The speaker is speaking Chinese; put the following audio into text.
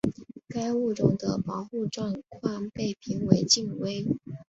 该物种的保护状况被评为近危。